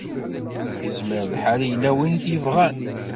Izmer lḥal yella win i t-yebɣan.